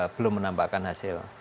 belum menambahkan hasil